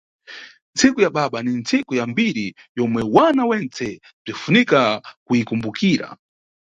Ntsiku ya baba ni ntsiku ya mbiri yomwe wana wentse bzinʼfunika kuyikumbukira.